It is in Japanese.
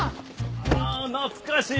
ああ懐かしい。